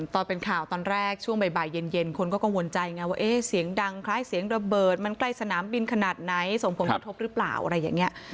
ตอนเป็นข่าวตอนแรกช่วงบ่ายเย็นคนก็กังวลใจไงว่าเสียงดังคล้ายเสียงระเบิดมันใกล้สนามบินขนาดไหนส่งผลกระทบหรือเปล่าอะไรอย่างนี้